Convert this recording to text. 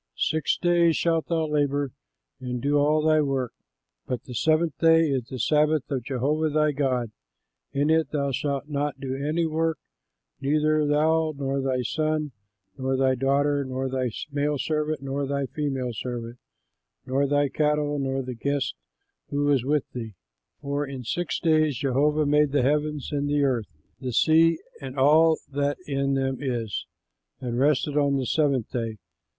Six days shalt thou labor and do all thy work; but the seventh day is the Sabbath of Jehovah thy God. In it thou shalt not do any work, neither thou, nor thy son, nor thy daughter, nor thy male servant, nor thy female servant, nor thy cattle, nor the guest who is with thee, for in six days Jehovah made the heavens and the earth, the sea and all that in them is, and rested on the seventh day.